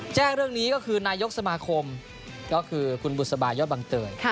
แจ้งเรื่องนี้ก็คือนายกสมาคมก็คือคุณบุษบายอดบังเตย